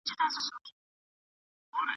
رقابت د توکو کيفيت لا پسې ښه کوي.